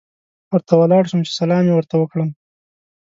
ورته ولاړ شوم چې سلام یې ورته وکړم.